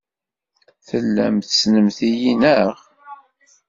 Tellamt tessnemt-iyi, naɣ?